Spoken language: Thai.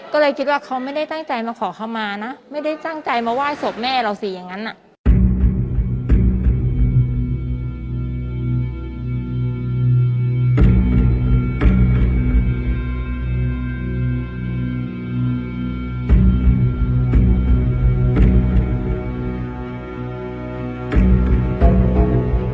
ก็เลยคิดว่าเขาไม่ได้ตั้งใจมาขอคำมานะไม่ได้ตั้งใจมาไหว้ศพแม่เราสิอย่างนั้นน่ะ